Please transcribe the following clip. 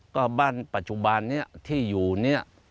ก็บ้านปัจจุบันนี้ที่อยู่เนี่ย